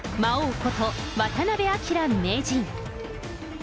こと渡辺明名人。